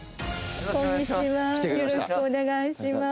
よろしくお願いします。